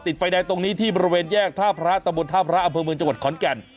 ไฟแดงตรงนี้ที่บริเวณแยกท่าพระตะบนท่าพระอำเภอเมืองจังหวัดขอนแก่น